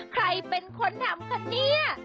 ใครเป็นคนทำคะเนี่ย